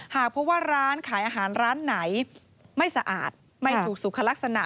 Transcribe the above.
หากพบว่าร้านขายอาหารร้านไหนไม่สะอาดไม่ถูกสุขลักษณะ